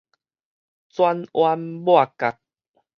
轉彎抹角